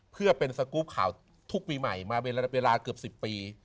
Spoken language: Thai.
เพื่อเป็นสกรูปข่าวทุกปีใหม่มาเป็นเวลาเกือบ๑๐ปี